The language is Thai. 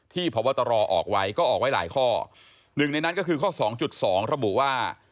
พบตรออกไว้ก็ออกไว้หลายข้อหนึ่งในนั้นก็คือข้อสองจุดสองระบุว่า